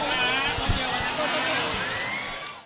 สวัสดีครับสวัสดีครับ